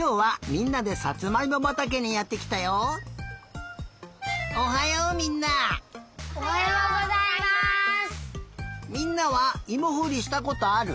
みんなはいもほりしたことある？